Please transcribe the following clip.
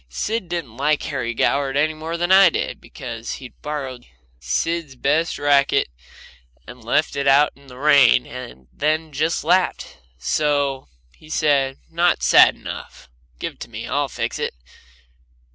Sid didn't like Harry Goward any more than I did, because he'd borrowed Sid's best racket and left it out in the rain, and then just laughed. So he said: "Not sad enough. Give it to me. I'll fix it."